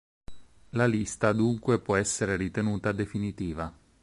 La lista dunque può essere ritenuta definitiva.